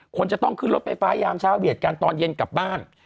คนจะต้องขึ้นรถไฟฟ้ายามเช้าเวียดกันตอนเย็นกลับบ้าน